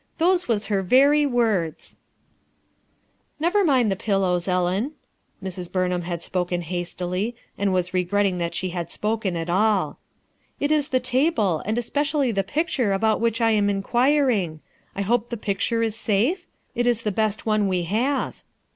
Those was her very words/'* "Never mind the pillows, Ellen," Mrs. Burn ham had spoken hastily, and was regretting that she had spoken at all. "It is the table, and especially the picture about which I am in quiring. I hope the picture is safe? It is the best one we have."